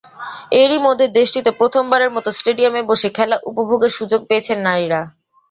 এরই মধ্যে দেশটিতে প্রথমবারের মতো স্টেডিয়ামে বসে খেলা উপভোগের সুযোগ পেয়েছেন নারীরা।